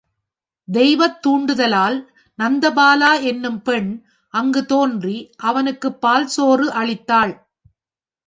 தெய்வத் தூண்டுதலால் நந்த பலா எனும் பெண் அங்குத்தோன்றி அவனுக்குப் பால்சோறு அளித்தாள்.